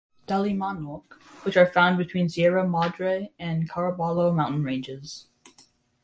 Dalimanok which are found between Sierra Madre and Caraballo Mountain ranges.